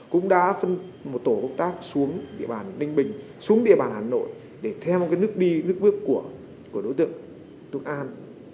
cũng đã phân một tổ công tác xuống địa bàn ninh bình xuống địa bàn hà nội để theo cái nước đi nước bước của đối tượng túc an